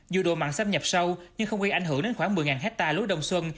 dù đồ mặn xâm nhập sâu nhưng không yên ảnh hưởng đến khoảng một mươi hectare lối đông xuân